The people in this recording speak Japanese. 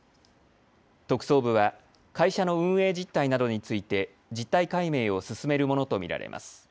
特捜部は会社の運営実態などについて実態解明を進めるものと見られます。